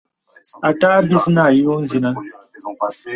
Àtâ bis nə àyo zinə.